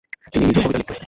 তিনি নিজেও কবিতা লিখতেন।